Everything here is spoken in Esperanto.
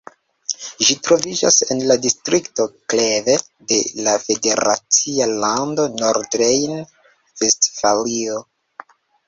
Ĝi troviĝas en la distrikto Kleve de la federacia lando Nordrejn-Vestfalio.